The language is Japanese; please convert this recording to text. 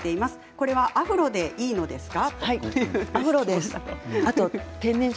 これはアフロでいいんですか。